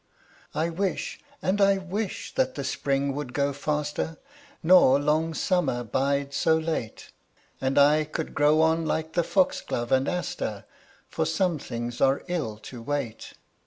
I wish, and I wish that the spring would go faster, Nor long summer bide so late; And I could grow on like the foxglove and aster, For some things are ill to wait.